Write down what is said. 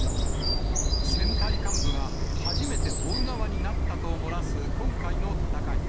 選対幹部が、初めて追う側になったともらす今回の戦い。